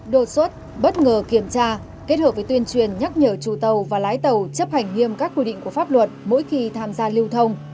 đột xuất bất ngờ kiểm tra kết hợp với tuyên truyền nhắc nhở chủ tàu và lái tàu chấp hành nghiêm các quy định của pháp luật mỗi khi tham gia lưu thông